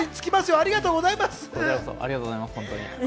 ありがとうございます。